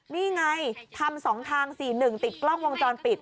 นี่ไงทำ๒ทาง๔๑ติดกล้องวงจรปิด